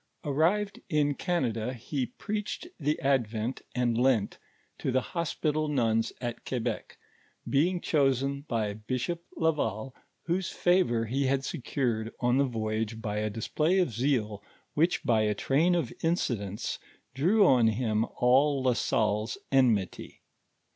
Arrived in Canada, he preached the Advent and Lent to the hospital nuns at Quebec, being chosen by Bishop Laval, whose favor he had secured on the voyage by a display of zeal which by a train of incidents drew on him all La Salle's enmity.